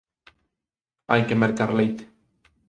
Hai que mercar leite.